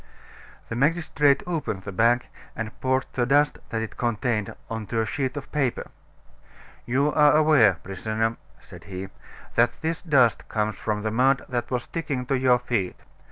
The magistrate opened the bag, and poured the dust that it contained on to a sheet of paper. "You are aware, prisoner," said he, "that this dust comes from the mud that was sticking to your feet.